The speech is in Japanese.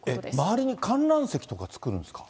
周りに観覧席とか作るんですか？